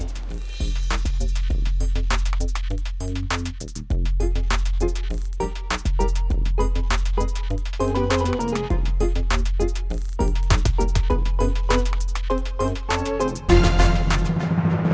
kamu ada yang sih